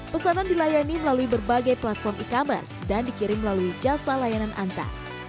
pesanan dilayani melalui berbagai platform e commerce dan dikirim melalui jasa layanan anta